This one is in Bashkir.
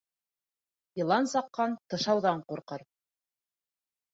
Йылан саҡҡан тышауҙан ҡурҡыр.